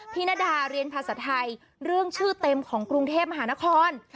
ณดาเรียนภาษาไทยเรื่องชื่อเต็มของกรุงเทพมหานคร